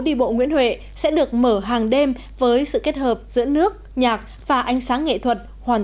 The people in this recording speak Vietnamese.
đi bộ nguyễn huệ sẽ được mở hàng đêm với sự kết hợp giữa nước nhạc và ánh sáng nghệ thuật hoàn